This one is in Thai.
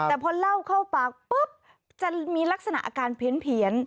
แต่พอเล่าเข้าปากปุ๊บจะมีลักษณะอาการเพี้ยน